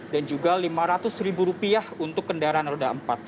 dan juga rp lima ratus untuk kendaraan roda empat